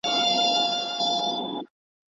کورنۍ باید بې مسؤلیته پاته نه سي.